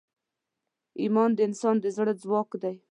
ایمان د انسان د زړه ځواک دی.